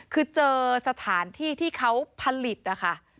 คือเจอสถานที่ที่เขาผลิตนะคะ